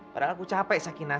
padahal aku capek sakinah